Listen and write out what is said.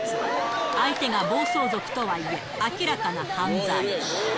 相手が暴走族とはいえ、明らかな犯罪。